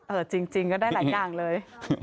เออจริงก็ได้หลายหนังเลย